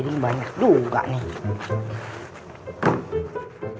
dia juga rehat